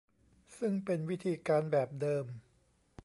ซึ่งเป็นวิธีการแบบเดิม